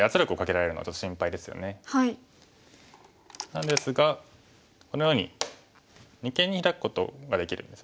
なんですがこのように二間にヒラくことができるんですよね。